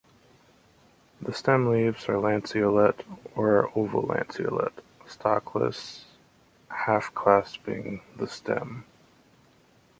The stem leaves are lanceolate or oval-lanceolate, stalkless, half-clasping the stem.